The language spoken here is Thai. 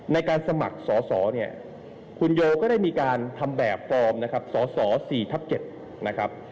ในการสมัครสอสอคุณโยก็ได้มีการทำแบบฟอร์มสอสอ๔ทับ๗